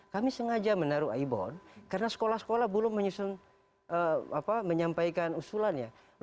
kami sengaja menaruh ibon karena sekolah sekolah belum menyampaikan usulan ya